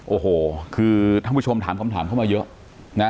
โอ้โหคือท่านผู้ชมถามคำถามเข้ามาเยอะนะ